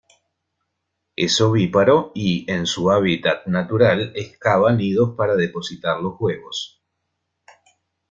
Es ovíparo y, en su hábitat natural, excava nidos para depositar los huevos.